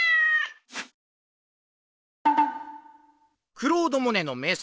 クロード・モネの名作